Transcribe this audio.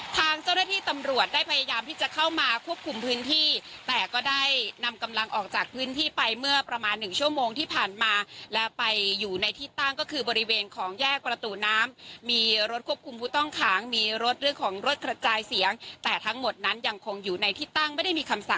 ทางเจ้าหน้าที่ตำรวจได้พยายามที่จะเข้ามาควบคุมพื้นที่แต่ก็ได้นำกำลังออกจากพื้นที่ไปเมื่อประมาณ๑ชั่วโมงที่ผ่านมาแล้วไปอยู่ในที่ตั้งก็คือบริเวณของแยกประตูน้ำ